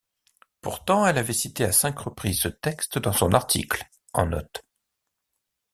Pourtant, elle avait cité à cinq reprises ce texte dans son article, en note.